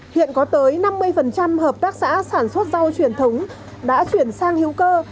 hiện có tới năm mươi hợp tác xã sản xuất rau truyền thống đã chuyển sang hữu cơ